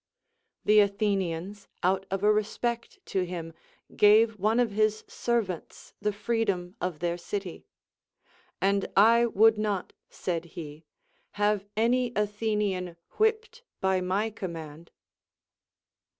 The Athenians, out of a respect to him, gave one of his servants the freedom of their city. And I ΛνοηΜ not, said he, have any Athenian whipped by my com mand.